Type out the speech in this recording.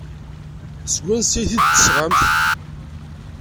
Seg wansi ay t-id-tesɣam?